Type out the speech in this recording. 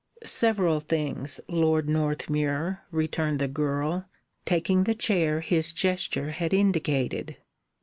"Several things, Lord Northmuir," returned the girl, taking the chair his gesture had indicated.